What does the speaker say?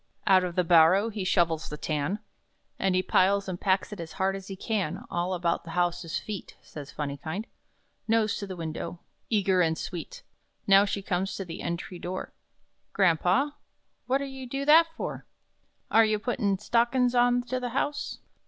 Out of the barrow he shovels the tan, And he piles and packs it as hard as he can "All about the house's feet," Says "Phunny kind," Nose to the window, Eager and sweet. Now she comes to the entry door: "Grampa what are you do that for? Are you puttin' stockin's on to the house?"